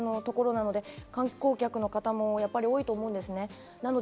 これだけの所なので、観光客の所も多いと思うんですね。